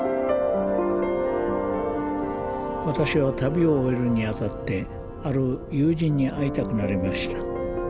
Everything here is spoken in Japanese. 私は旅を終えるにあたってある友人に会いたくなりました。